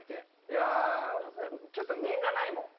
いやあちょっと人がないもん。